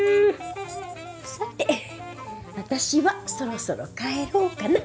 さて私はそろそろ帰ろうかな。